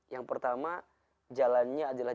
yang pertama jalannya adalah